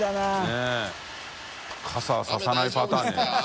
佑傘ささないパターン。